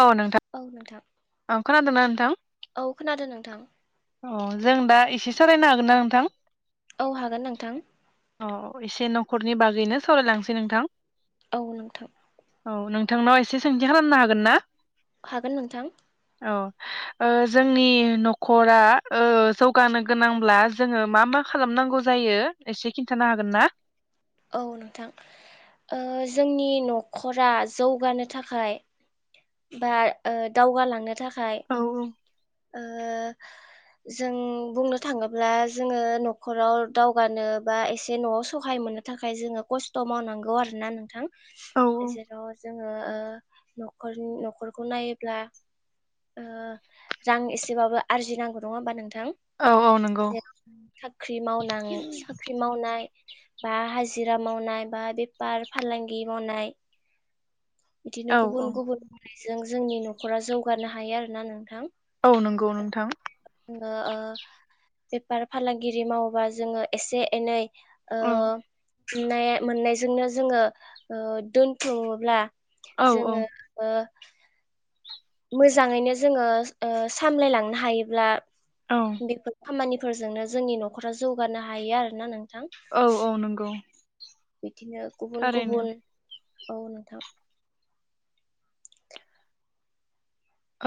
औ नोंथां औ नोंथां औ खोनादोंना नोंथां औ खोनादों नोंथां अ जों दा एसे सावरायनो हागोन ना नोंथां औ हागोन नोंथां औ एसे न'खरनि बागैनो सावारायलांनोसै नोंथां औ नोंथां औ नोंथांनाव एसे सोंथि खालामनो हागोन ना हागोन नोंथां औ ओ जोंनि नखरा ओ जौगानो गोनांब्ला जोङो मा मा खालामनांगौ जायो एसे खिन्थानो हागोन ना? औ नोंथां ओ जोंनि न'खरा जौगानो थाखाय बा ओ दावगालांनो था खाय औ ओ जों बुंनो थाङोब्ला जोङो न'खराव दावगानो बा एसे न'आव सहाय मोननो थाखाय जोङो खस्थ' मावनांगौ आरो ना नोंथां औ एजेन जों ओ न न'खर न'खरखौ नायोब्ला ओ रां एसेबाबो आरजिनांगौ नङा होमबा नों थां औ औ औ नंगौ जेराव साख्रि मावनां साख्रि मावनाय बा हाजिरा मावनाय बा बेपार फालांगि मावनाय बिदिनो औ औ गुबुन नायजों जोंनि न'खरा जौगानो हायो आरोना नोंथां औ नोंगौ नोंथां ओ बेफार फालांगिरि मावोबा जोङो एसे एनै ओ औ नुनाय मोननायजोंनो जोङो ओ दोनथुमोब्ला औ औ जोङो [unintelligible] मोजाङैनो जोङो ओ सामलायलांनो हायोब्ला औ बेफोर खामानि फोरजोंनो जोंनि न'खरा जौगानो हायो आरो ना नों औ औ नंगौ बिदिनो थारैनो गुबुन-गुबुन औ नोंथां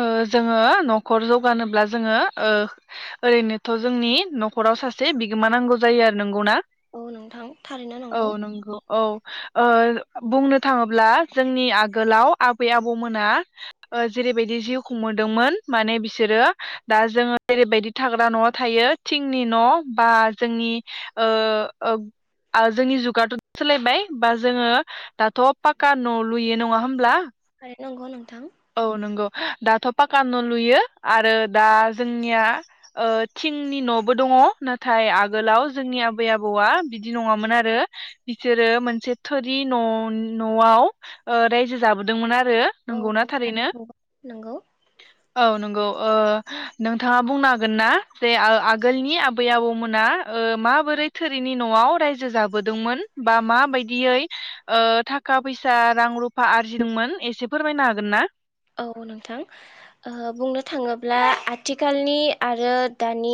ओ जोंङो न'खर जौगानोब्ला जोंङो ओ ओरैनोथ' जोंनि न'खराव सासे बिगोमा नांगौ जायो आरो नंगौना औ नोंथां थारैनो नंगौ औ ओ बुंनो थाङोब्ला जोंनि आगोलाव आबै आबौमोना ओ जेरै बेबायदि जिउ खुंमोदोंमोन माने बिसोरो दा जोंङो जेरैबायदि थाग्रा न'आ थायो थिंनि न' बा जोंनि ओ जोंनि ओ जुगाथ' सोलायबाय बा जोंङो दाथ' पाक्का न' लुयो नङा होमब्ला। थारैनो नंगौ नोंथां औ नंगौ दाथ' पाका न' लुयो आरो दा जोंनिया ओ थिंनि न'बो दङ नाथाय आगोलाव जोंनि आबै आबौआ बिदि नङामोन आरो बिसोरो मोनसे थोरि न‌-न'आव ओ रायजो जाबोदोंमोन आ रो औ नोंगौना थारैनो नंगौ औ नंगौ ओ नोंथाङा बुंनो हागोन ना जे आगोलनि आबै आबौमोना ओ माबोरै थोरिनि न'आव रायजो जाबोदोंमोन बा माबायदियै ओ थाखा-फैसा, रां- रुफा आरजिदोंमोन एसे फोरमायनो हा गोन ना। औ नोंथां ओ बुंनो थाङोब्ला आथिखालनि आरो दानि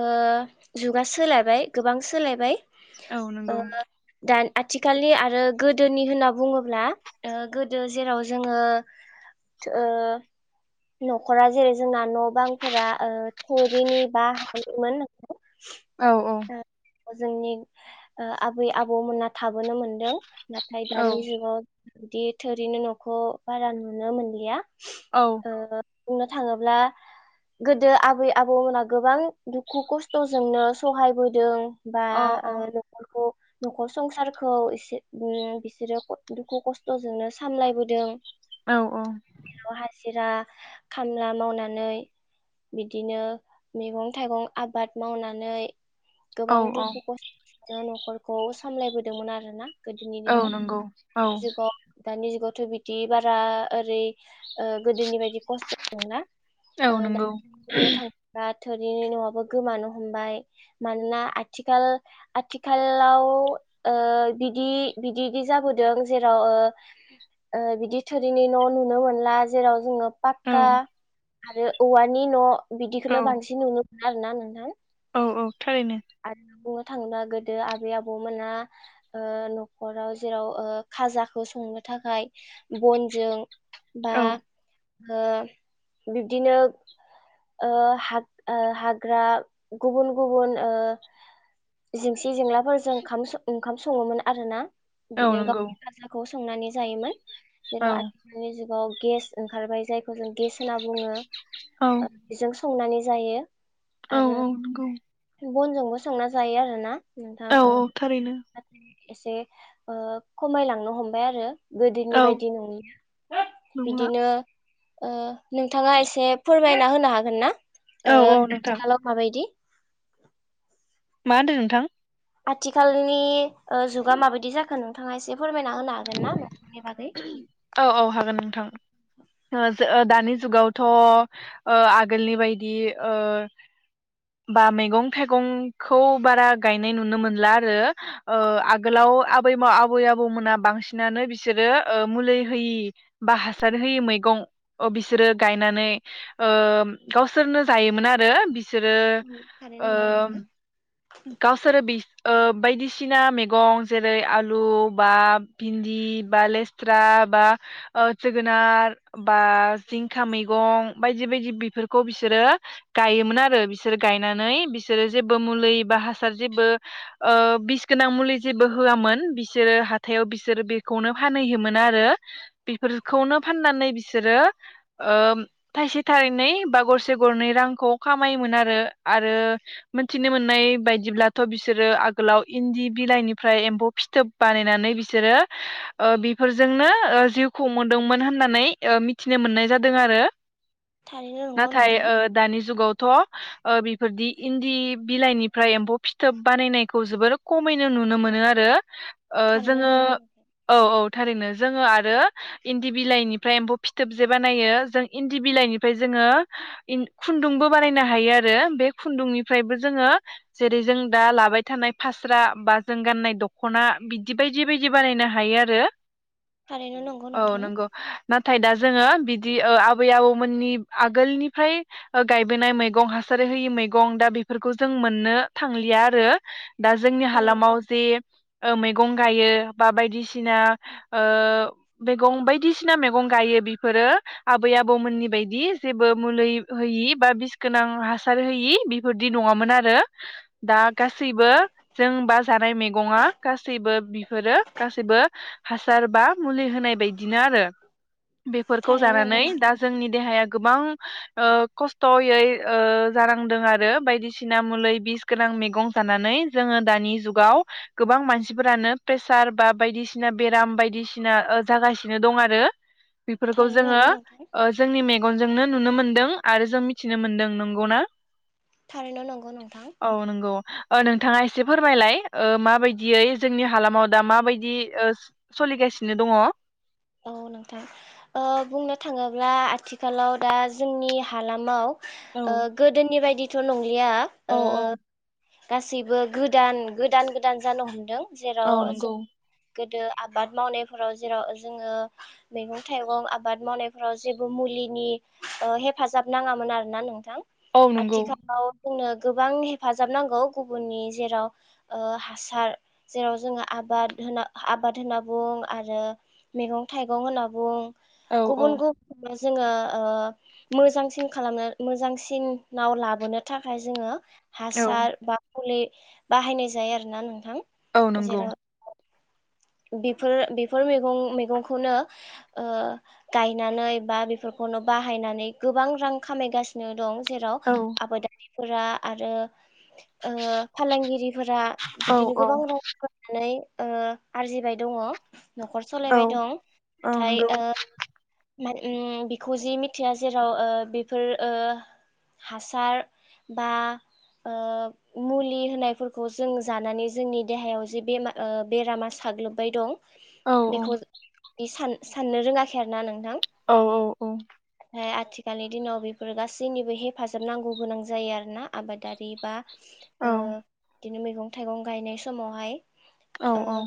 ओ जुगा सोलायबाय गोबां सोलायबाय। औ ओ नंगौ दा आथिखालनि आरो गोदोनि होनना बुङोब्ला गोदो जेराव जोंङो ओ न'खरा जेरै जोंना न' बांफोरा ओ थुरिनि बा हानिमोन। औ औ ओ जोंनि ओ आबै आबौमोनना थाबोनो मोनदों ना इमफाय औ दानि जुगाव बिदि थोरैनो न'खौ बारा नुनो मोनलिया। औ ओ बुंनो थाङोब्ला गोदो आबै आबौमोनहा गोबां दुखु खस्थ'जोंनो सहायबोदों बा औ ओ न'खरखौ न'खर संसारखौ एसे अम बिसोरो दुखु खस्थ'जोंनो सामलायबोदों। औ औ हाजिरा खामला मावनानै बिदिनो मैगं थाइगं आबाद मावनानै औ गोबां औ दुखु खस न'खरखौ सामलायबोदोंमोन आरो ना। गोदोनि औ दिनाव नंगौ औ दानि जुगाव दानि जुगाव बिदि बारा ओरै ओ गोदोनि बाय दि खस्थ मोना औ ओ दा नंगौ बुंनो थांङोबा थोरिनि न'आबो गोमानो हमबाय मानोना आथिखाल-आथिखालाव ओ बिदि बिदि जाबोदों जेराव ओ बिदि थोरिनि न' नुनो मोनला। जेराव जोंङो औ पाक्का आरो औवानि न औ बिदिखौनो बांसिन नुनो आरो ना नोंथां औ -औ थारैनो आरो [unintelligible] थांना गोदो आबै आबौमोना ओ न'खराव जेराव ओ खाजाखौ संनो थाखाय बनजों बा औ ओ बिब्दिनो ओ हा ओ हाग्रा गुबुन -गुबुन ओ जिंसि जेंलाफोरजों ओं ओंखाम सङोमोन आरोना। औ बिदिनो नंगौ गावनि खाजाखौ संनानै जायोमोन। औ जेराव आथिखालनि जुगाव गेस ओंखारबाय जाय गेस होनना बुङो। औ जों संनानै जायो। औ आरो औ नंगौ बनजोंबो संना जायो आरोना नोंथां औ ओ औ थारैनो [inaudible] एसे ओ खमायलांनो हमबाय आरो गोदोनि औ बायदि नंलिया [unintelligible] नंला बिदिनो ओ नोंथाङा एसे फोरमायना होनो हागोन ना? औ ओ औ नोंथां आथिखालाव माबायदि मा होनदों नोंथां? आथिखालनि ओ जुगा माबायदि जाखो नोंथाङा एसे फोरमायना होनो हागोन ना न'खरनि बागै औ औ हागोन नोंथां ओ दानि जुगावथ' ओ आगोलनि बायदि ओ बा मैगं थाइगंखौ बारा गायनाय नुनो मोनला आरो ओ आगोलाव आबै आबै आबौमोना बांसिनानो बिसोरो ओ मुलि होयि बा हासार होयि मैगं ओ बिसोरो गायनानै ओ गावसोरनो जायोमोन आरो बिसोरो थारैनो ओ नंगौ नोंथां गावसोरो बिस ओ बायदिसिना मैगं जेरै- आलु बा भिन्दि बा लेस्रा बा ओ जोगोनार बा जिंखा मैगं बायदि बायदि बेफोरखौ बिसोरो गायोमोन आरो बिसोरो गायनानै बिसोरो जेबो मुलि बा हासार जेबो ओ बिस गोनां मुलि जेबो होआमोन बिसोरो हाथायाव बिस सोरो बेखौनो फानहैयोमोन आरो बेफोरखौनो फाननानै बिसोरो ओ थाइसे थायनै बा गरसे गरनै रांखौ खामायोमोन आरो आरो मोनथिनो मोननाय बायदिब्लाथ' बिसोरो आगोलाव इन्दि बिलाइनिफ्राय एम्फौ फिथोब बानायनानै बिसोर सोरो ओ बेफोरजोंनो ओ जिउ खुंबोदोंमोन होननानै मिथिनो मोननाय जादों आरो। थारैनो नंगौ नाथाय नोंथां ओ दानि जुगाव थ' बेफोरदि इन्दि बिलाइनिफ्राय एम्फौ फिथोब बानायनायखौ जोबोर खमैनो नुनो मोनो आरो। थारैनो जोङो नंगौ औ औ थारैनो। जोङो आरो इन्दि बिलाइनिफ्राय एम्फौ फिथोब जे बानायो जों इन्दि बिलाइनिफ्राय जोङो खुन्दुंबो बानायनो हायो आरो बे खुन्दुंनिफ्रायबो जोङो जेरै जों दा लाबाय थानाय फास्रा बा जों गाननाय दख'ना बिदि बायदि बायदि बानायनो हायो आरो थारैनो नंगौ औ नोंथां नंगौ ना थाय दा जोङो बिदि ओ आबै आबौमोननि आगोलनिफ्राय गायबोनाय मैगं हासार होयि मैगं दा बेफोरखौ जों मोननो थांलिया आरो दा जोंनि थारैनो हालामाव जे ओ मैग गायो बा बायदिसिना ओ मैगं बायदिसिना मैगं गायो बेफोरो आबै आबौमोननि बायदि जेबो मुलि होयि बा बिस गोनां हासार होयि बेफोरदि नङामोन आरो दा गासैबो जों बा जानाय मैगङा गासैबो बिफोरो गासैबो हासार बा मुलि होनाय बायदिनो आरो बेफोरखौ थारैनो नंगौ जानानै नोंथां दा जोंनि देहाया गोबां ओ खस्थ'यै ओ जानांदों आरो बायदिसिना मुलै बिस गोनां मैगं जानानै जोङो दानि जुगाव गोबां मानसि मानसिफोरानो प्रेसार बा बायदिसिना बेराम बायदिसिना ओ जागासिनो दं आरो बेफोरखौ थारैनो जोङो नंगौ नोंथां ओ जोंनि मेगनजोंनो नुनो मोनदों आरो जों मिथिनो मोनदों नंगौना? थारैनो नंगौ नोंथां। औ नंगौ ओ नोंथाङा एसे फोरमायलाय ओ माबायदियै जोंनि हालामाव दा माबायदि ओ सोलिगासिनो दङ। औ नोंथां ओ बुंनो थाङोब्ला आथिखालाव दा जोंनि हालामाव ओ गोदोनि बायदि थ नं लिआ औ ओ औ गासैबो गोदान गोदान गोदान जानो हमदों। औ जेराव नंगौ गोदो आबाद मावनायफोराव जेराव जोङो मैगं थाइगं आबाद मावनायफ्राव जेबो मुलिनि हेफाजाब नाङामोन आरोना नोंथां औ आथिखालाव जोंनो गोबां हेफाजाब नांगौ गुबुननि जेराव ओ हासार जेराव जोङो आबाद होन आबाद होनना बुं आरो मैगं थाइगं होनना बुं गुबुन गुबुन जोङो ओ मोजांसिन खालामनो मोजांसिन नाव लाबोनो थाखाय जोङो हासार बा मुलि बाहायनाय जायो आरोना नोंथां। औ नंगौ। जेराव बेफोर बेफोर मैगं मैगंखौनो ओ गायनानै बा बेफोरखौनो बाहायनानै गोबां रां खामायगासिनो दं। जेराव औ आबादारि फोर आरो ओ फालांगिरिफोरा औ बिदिनो गोबां राव फनानै ओ आरजिबाय दङ। न'खर औ सालायबाय दं औ नाथाय नंगौ ओ ओ उम बेखौ जि मिथिया जेराव ओ बेफोर ओ हासार बा मुलि ओ होनायफोरखौ जों जानानै जोंनि देहायाव जि बेरामा साग्लोबबाय दं। औ बेखौ बे सान साननो रोङाखै आरो ना नों औ औ औ आथिखालनि दिनाव बेफोर गासैनिबो हेफाजाब नांगौ गोनां जायो आरोना आबादारि बा औ ओ बिदिनो मैगं थाइगं गायनाय समावहाय औ ओ औ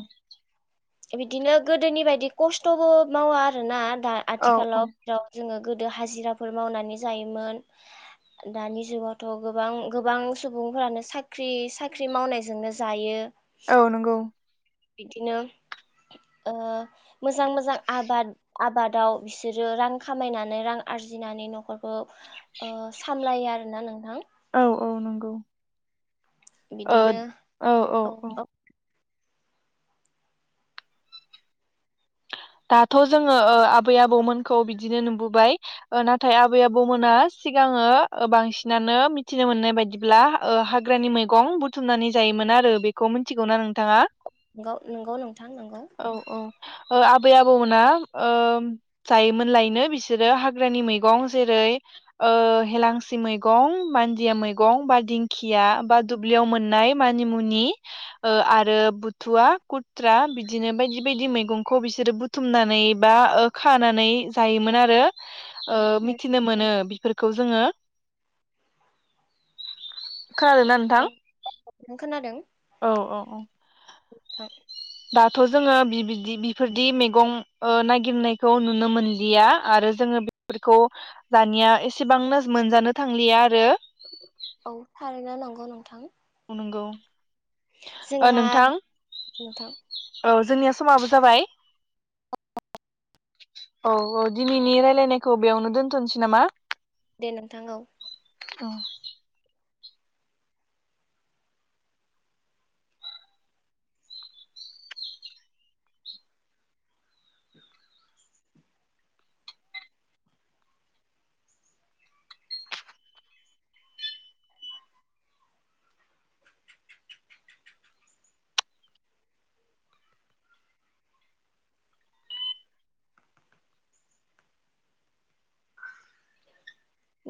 बिदिनो गोदोनि बायदि खस्थ'बो मावा आरोना दा औ आथिखालाव जेराव जोङो। गोदो हाजिराफोर मावनानै जायोमोन दानि जुगावथ' गोबां-गोबां सुबुंफोरानो साख्रि-साख्रि मावनायजोंनो जायो। औ नंगौ। बिदिनो ओ मोजां-मोजां आबाद आबादाव बिसोरो रां खामायनानै रां आरजिनानै नखरखौ सामलायो आरोना नोंथां। औ औ नंगौ ओ बिदिनो औ औ औ दाथ' जोङो ओ आबै आबौमोनखौ बिदिनो नुबोबाय नाथाय आबै आबौमोना सिगाङो बांसिनानो मिथिनो मोननाय बदिब्लाओ हाग्रानि मैगं बुथुमनानै जायोमोन आरो बेखौ मिथिगौनाा नोंथाङा। नोंगौ नोंगौ नोंथां नोंगौ ओ आब आबै आबौमोना जायोमोन लायनो बिसोरो हाग्रानि मैगं जेरै हेलांसि मैगं बान्दिया मैगं बा दिंखिया बा दुब्लियाव मोननाय मानिमुनि आरो ओ बुथुवा खुथ्रा बिदिनो बायदि बायदि मैगंखौ बिसोर। बिसोर बुथुमनानै बा खानानै जायोमोन आरो। ओ मिथिनो मोनो बेफोरखौ जोङो। खोनादों ना औ नोंथां। नों खोनादों। औ औ औ थां दाथ' जोङो ओ बिदि बिफोरदि मैगं नागिरनायखौ नुनो मोनलिया आरो जोङो बेफोरखौ दानिया एसेबां मोनजानो थांलिया आरो। औ थारैनो नांगौ नोंथां। नंगौ ओ जोंहा नोंथां नोंथां औ जोंनिया समाबो जाबाय औ औ दिनैनि राय्लायनायखौ बेयावनो दोन्थनोसै नामा। दे नोंथां औ दं [inaudible]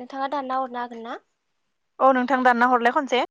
नोंथाङा दान ना हरनो हागोन ना। औ नोंथां दानना हरलाय खनसे।